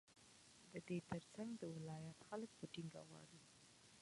ددې ترڅنگ د ولايت خلك په ټينگه غواړي،